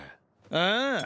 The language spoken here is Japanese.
ああ。